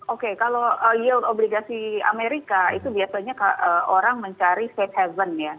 oke kalau yield obligasi amerika itu biasanya orang mencari safe haven ya